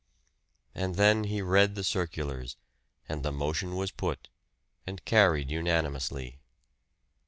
And then he read the circulars, and the motion was put, and carried unanimously.